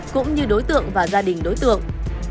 cũng như đối tượng và gia đình đối tượng